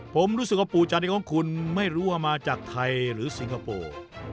ผมรู้สึกว่าปู่จันทร์ของคุณไม่รู้ว่ามาจากไทยหรือสิงคโปร์